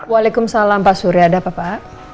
waalaikumsalam pak surya ada apa apa